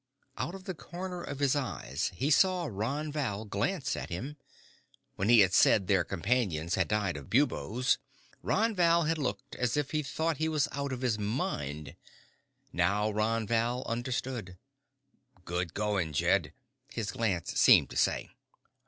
Out of the corner of his eyes he saw Ron Val glance at him. When he had said their companions had died of buboes, Ron Val had looked as if he thought he was out of his mind. Now Ron Val understood. "Good going, Jed," his glance seemed to say.